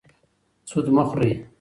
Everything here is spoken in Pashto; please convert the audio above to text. سود مه خورئ.